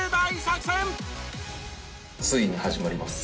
ついに始まります。